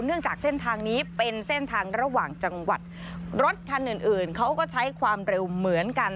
จากเส้นทางนี้เป็นเส้นทางระหว่างจังหวัดรถคันอื่นอื่นเขาก็ใช้ความเร็วเหมือนกัน